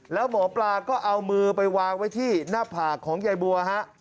แล้วหมอปลาก็เอามือไปวางไว้ที่หน้าผากของยายบัวฮะ